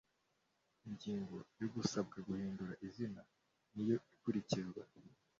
ingingo yo gusabwa guhindura izina niyo ikurikizwa